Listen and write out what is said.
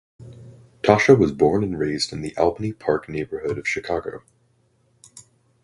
Tasha was born and raised in the Albany Park neighborhood of Chicago.